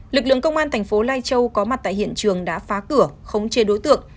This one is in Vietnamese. lực lượng công an thành phố lai châu có mặt tại hiện trường đã phá cửa khống chê đối tượng